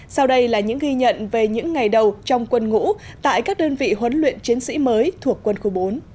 sau đây là những ghi nhận về những ngày đầu trong quân ngũ tại các đơn vị huấn luyện chiến sĩ mới thuộc quân khu bốn